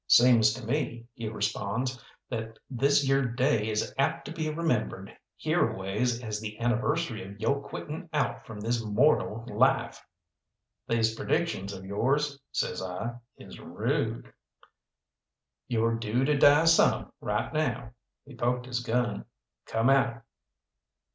"Seems to me," he responds, "that this yere day is apt to be remembered hereaways as the anniversary of yo' quitting out of from this mortal life." "These predictions of yours," says I "is rude." "You're due to die some, right now" he poked his gun. "Come out!"